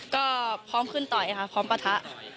ก็พร้อมขึ้นต่อยค่ะพร้อมปะทะ